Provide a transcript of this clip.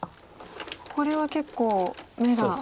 これは結構眼が。